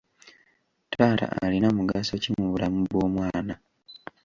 Taata alina mugaso ki mu bulamu bw'omwana?